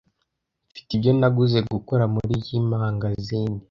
Mfite ibyo naguze gukora muriyi mangazini.